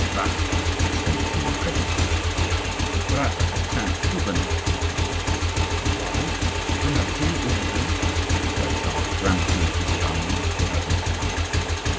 "Bah!" exclaimed the king, incredulously. "Your brother has turned Huguenot," she continued. "My brother! gone over to the Huguenots!" cried Charles, brandishing the piece of iron which he held in his hand.